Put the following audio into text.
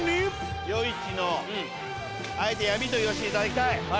あえて「闇」と言わしていただきたい。